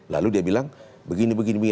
lalu dia bilang begini begini